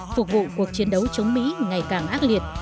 phục vụ cuộc chiến đấu chống mỹ ngày càng ác liệt